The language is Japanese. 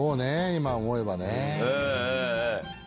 今思えばね。